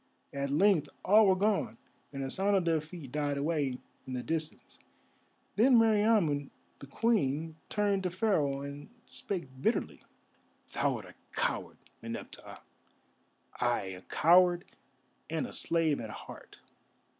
At length all were gone, and the sound of their feet died away in the distance. Then Meriamun the Queen turned to Pharaoh and spake bitterly: "Thou art a coward, Meneptah, ay, a coward and a slave at heart.